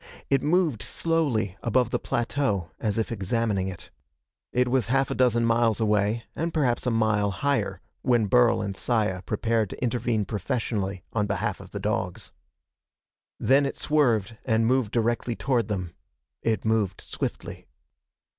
It moved slowly above the plateau as if examining it. It was half a dozen miles away and perhaps a mile higher when Burl and Saya prepared to intervene professionally on behalf of the dogs. Then it swerved and moved directly toward them. It moved swiftly.